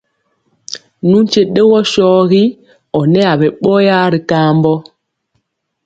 Nu nkye ɗɔgɔ sɔgi ɔ nɛ aɓɛ ɓɔyaa ri kambɔ.